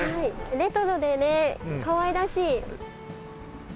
レトロでねかわいらしい。